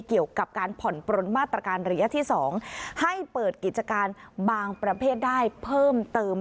เกี่ยวกับการผ่อนปลนมาตรการระยะที่๒ให้เปิดกิจการบางประเภทได้เพิ่มเติม